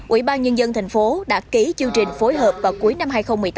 ủy ban nhân dân thành phố đã ký chương trình phối hợp vào cuối năm hai nghìn một mươi tám